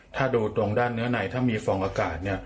ถ้าดูตรงด้านเนื้อในถ้ามีฟองอากาศ